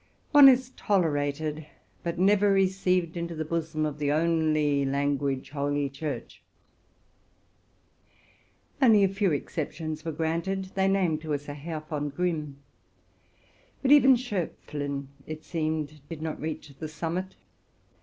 One is toler ated, but never received into the bosom of the only church of language. 3 78 TRUTH AND FICTION Only a few exceptions were granted. They named to us a Herr von Grimm; but even Schopflin, it seemed, did not reach the summit.